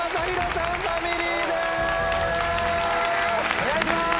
お願いします！